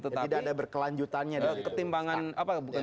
tidak ada berkelanjutannya